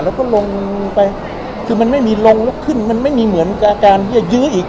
แล้วก็ลงไปคือมันไม่มีลงแล้วขึ้นมันไม่มีเหมือนกับการที่จะยื้ออีก